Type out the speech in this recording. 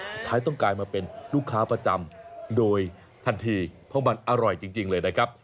สุดท้ายต้องกลายมาเป็นลูกค้าประจำโดยทันทีเพราะมันอร่อยจริงเลยนะครับ